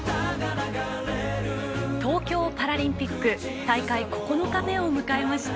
東京パラリンピック大会９日目を迎えました。